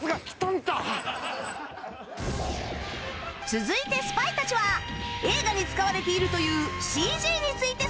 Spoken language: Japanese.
続いてスパイたちは映画に使われているという ＣＧ について探る事に